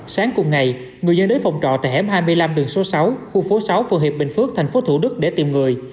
sáng cùng ngày người dân đến phòng trọ tại hẻm hai mươi năm đường số sáu khu phố sáu phường hiệp bình phước tp thủ đức để tìm người